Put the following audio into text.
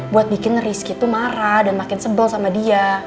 buat bikin rizky itu marah dan makin sebel sama dia